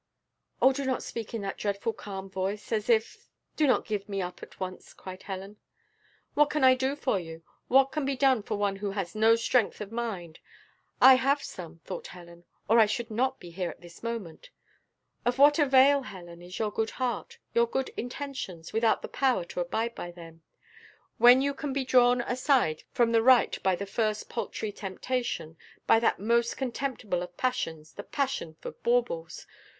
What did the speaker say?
"Oh do not speak in that dreadful calm voice, as if do not give me up at once," cried Helen. "What can I do for you? what can be done for one who has no strength of mind?" I have some, thought Helen, or I should not be here at this moment. "Of what avail, Helen, is your good heart your good intentions, without the power to abide by them? When you can be drawn aside from the right by the first paltry temptation by that most contemptible of passions the passion for baubles!